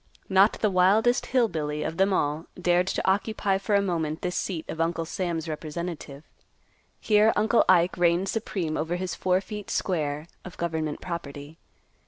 Not the wildest "Hill Billy" of them all dared to occupy for a moment this seat of Uncle Sam's representative. Here Uncle Ike reigned supreme over his four feet square of government property.